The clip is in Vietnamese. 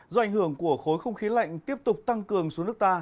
do ảnh hưởng của khối không khí lạnh tiếp tục tăng cường xuống nước ta